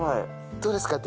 どうですか？